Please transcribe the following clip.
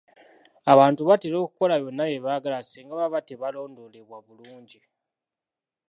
Abantu batera okukola byonna bye baagala singa baba tebalondoolebwa bulungi.